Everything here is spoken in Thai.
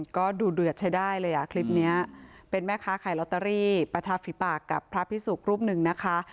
ก็ดูเดือดใช้ได้เลยอ่ะคลิปนี้เป็นแม่ค้าขายลอตเตอรี่ประทับฝีปากกับพระพิสุกรูปหนึ่งนะคะ